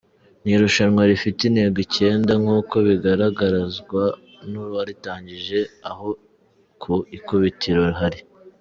Ni irushanwa rifite intego icyenda nkuko bigaragarazwa n’uwaritangije aho ku ikubitiro hari;.